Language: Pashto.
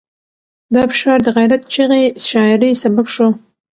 دا فشار د غیرت چغې شاعرۍ سبب شو.